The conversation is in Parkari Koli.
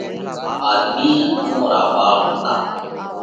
آۮمِي ان اُوئون را ٻاۯ هتا۔